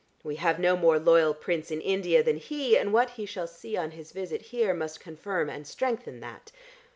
We have no more loyal prince in India than he, and what he shall see on his visit here must confirm and strengthen that.